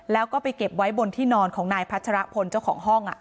แล้วก็ไปเก็บไว้บนที่นอนของนายพัชรพลเจ้าของห้อง